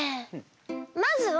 まずは。